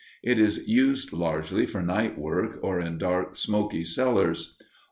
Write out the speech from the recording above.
It is used largely for night work or in dark, smoky cellars.